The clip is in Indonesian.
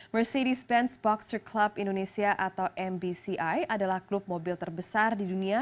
mercedes benz boxer club indonesia atau mbci adalah klub mobil terbesar di dunia